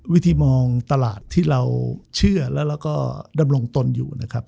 วิธีมองตลาดที่เราเชื่อแล้วก็ดำรงตนอยู่นะครับ